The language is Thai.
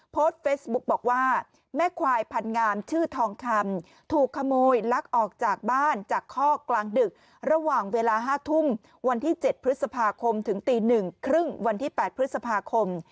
โพสต์เฟซบุ๊กบอกว่าแม่ควายพันงามชื่อทองคำถูกขโมยลักออกจากบ้านจากคอกกลางดึกระหว่างเวลา๕ทุ่มวันที่๗พฤษภาคมถึงตี๑๓๐วันที่๘พฤษภาคม